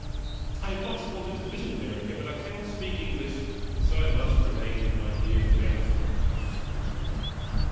I have much wanted to visit America; but I cannot speak English, so I must remain in my dear belle France."